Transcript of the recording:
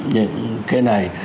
những cái này